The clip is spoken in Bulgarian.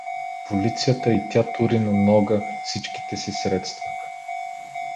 Полицията и тя тури на нога всичките си средства.